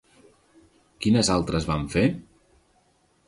Quines altres va fer?